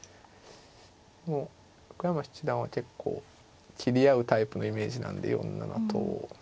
横山七段は結構切り合うタイプのイメージなんで４七とを。